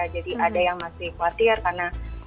jadi ada yang masih khawatir karena